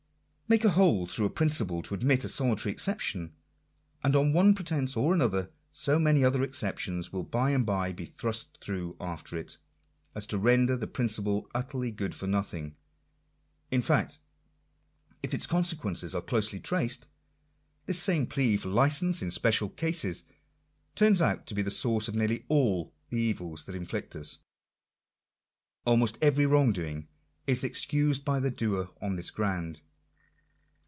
Make a hole through a principle to admit a solitary exception, and, on one pretence or other, so many other exceptions will by and by be thrust through after it, as to render the principle utterly good for nothing. In fact, if its consequences are closely traced, this same plea for licence in special cases turns out to be the source of nearly all the evils that afflict us. Almost every wrong doing is excused by the doer on this ground.